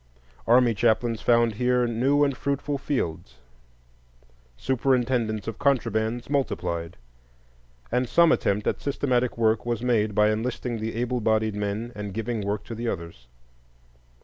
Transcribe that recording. Army chaplains found here new and fruitful fields; "superintendents of contrabands" multiplied, and some attempt at systematic work was made by enlisting the able bodied men and giving work to the others.